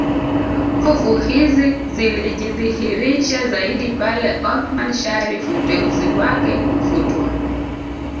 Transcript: Hofu hizi zilijidhihirisha zaidi pale Othman Sharrif uteuzi wake kufutwa